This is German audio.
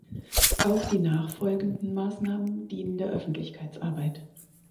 Auch die nachfolgenden Maßnahmen dienen der Öffentlichkeitsarbeit.